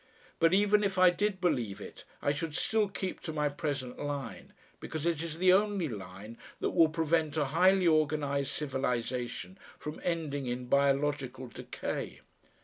But even if I did believe it I should still keep to my present line, because it is the only line that will prevent a highly organised civilisation from ending in biological decay.